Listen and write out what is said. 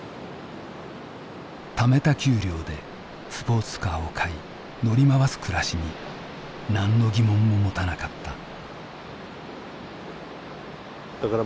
ためた給料でスポーツカーを買い乗り回す暮らしに何の疑問も持たなかった。